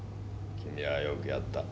君はよくやった。